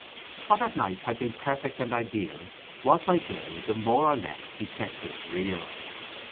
What at night had been perfect and ideal was by day the more or less defective real.